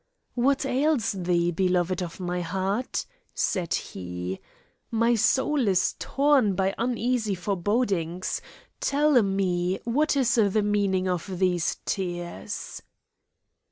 "What ails thee, beloved of my heart?" said he; "my soul is torn by uneasy forebodings. Tell me, what is the meaning of these tears?"